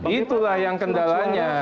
itulah yang kendalanya